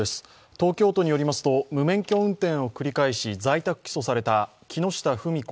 東京都によりますと無免許運転を繰り返し在宅起訴された木下富美子